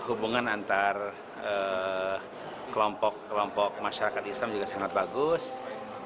hubungan antar kelompok kelompok masyarakat islam juga sangat bagus